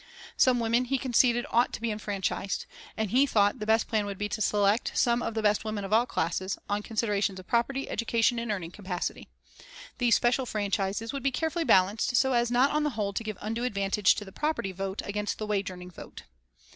Some women, he conceded, ought to be enfranchised, and he thought the best plan would be to select "some of the best women of all classes" on considerations of property, education and earning capacity. These special franchises would be carefully balanced, "so as not on the whole to give undue advantage to the property vote against the wage earning vote."